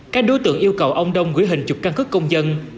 các đối tượng yêu cầu ông đông gửi hình chụp căn cứ công dân